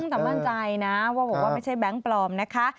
ผู้สมันใจนะว่าไม่ใช่แบงค์ปลอมนะ